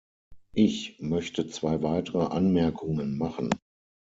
Ich möchte zwei weitere Anmerkungen machen.